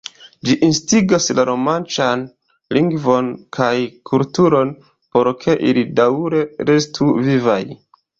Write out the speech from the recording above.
Ĝi instigas la romanĉan lingvon kaj kulturon, por ke ili daŭre restu vivaj.